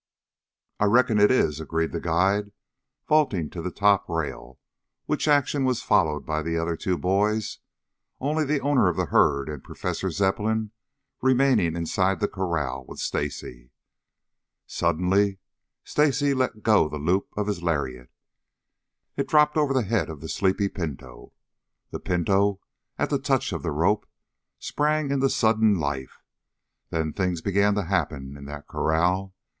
"I reckon it is," agreed the guide, vaulting to the top rail, which action was followed by the other two boys, only the owner of the herd and Professor Zepplin remaining inside the corral with Stacy. Suddenly Stacy let go the loop of his lariat. It dropped over the head of the sleepy pinto. The pinto, at the touch of the rope, sprang into sudden life. Then things began to happen in that corral.